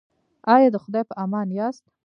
ایا د خدای په امان یاست؟